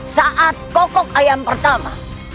saat kokok ayam pertama